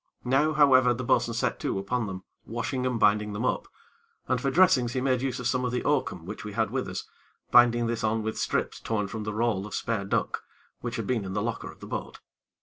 Now, however, the bo'sun set to upon them, washing and binding them up, and for dressings he made use of some of the oakum which we had with us, binding this on with strips torn from the roll of spare duck, which had been in the locker of the boat.